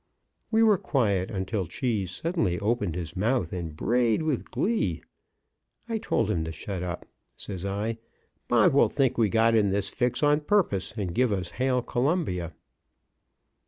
We were quiet, until Cheese suddenly opened his mouth and brayed with glee. I told him to shut up. Says I, "Pod will think we got in this fix on purpose, and give us Hail Columbia."